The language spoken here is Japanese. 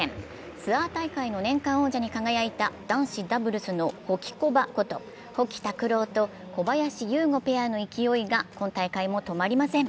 ツアー大会の年間王者に輝いた男子ダブルスのホキコバこと保木卓朗と小林優吾ペアの勢いが今大会も止まりません。